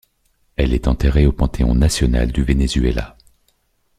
Elle est enterrée au Panthéon national du Venezuela.